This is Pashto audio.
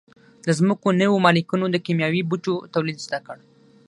د ځمکو نویو مالکینو د کیمیاوي بوټو تولید زده کړ.